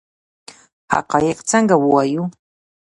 حقایق څنګه ووایو؟